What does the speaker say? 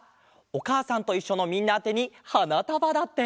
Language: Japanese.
「おかあさんといっしょ」のみんなあてにはなたばだって！